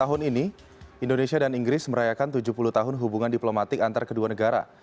tahun ini indonesia dan inggris merayakan tujuh puluh tahun hubungan diplomatik antar kedua negara